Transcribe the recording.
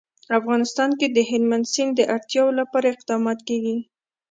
افغانستان کې د هلمند سیند د اړتیاوو لپاره اقدامات کېږي.